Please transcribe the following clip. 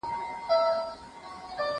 زه اوس سبزیجات جمع کوم؟